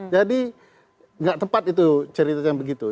jadi tidak tepat itu cerita yang begitu